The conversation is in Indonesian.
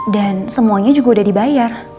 dan semuanya juga udah dibayar